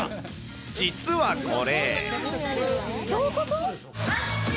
実はこれ。